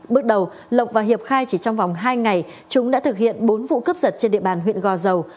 bước đầu lộc và hiệp khai chỉ trong vòng hai ngày chúng đã thực hiện bốn vụ cướp giật trên địa bàn huyện gò dầu